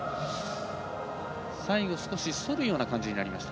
最後少しそるような感じになりました。